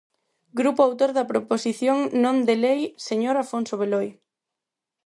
Grupo autor da proposición non de lei, señor Afonso Beloi.